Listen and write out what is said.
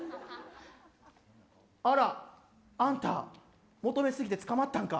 あら、あんた求めすぎて捕まったんか。